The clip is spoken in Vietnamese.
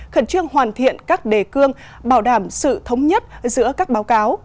khẩn trương hoàn thiện các đề cương bảo đảm sự thống nhất giữa các báo cáo